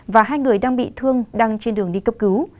và hai người đang bị thương đang trên đường đi cấp cứu